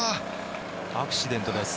アクシデントか。